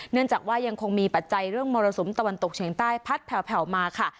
เนื่องจากว่ายังคงมีปัจจัยเรื่องมรสุมตะวันตกเฉียงใต้พัดแผ่วมาค่ะ